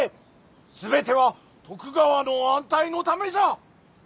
全ては徳川の安泰のためじゃ。